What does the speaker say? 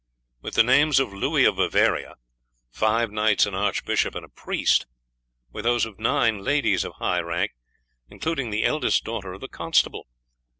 With the names of Louis of Bavaria, five knights, an archbishop and priest, were those of nine ladies of high rank, including the eldest daughter of the constable.